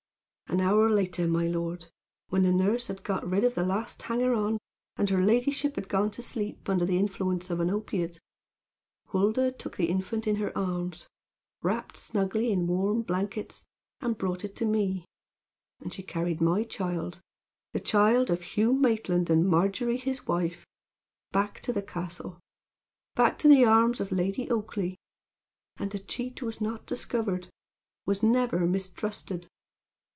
"An hour later, my lord, when the nurse had got rid of the last hanger on, and her ladyship had gone to sleep under the influence of an opiate, Huldah took the infant in her arms, wrapped snugly in warm blankets, and brought it to me; and she carried my child the child of Hugh Maitland and Margery his wife back to the castle, back to the arms of Lady Oakleigh; and the cheat was not discovered was never mistrusted.